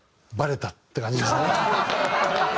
バレた！って感じですね。